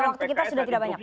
waktu kita sudah tidak banyak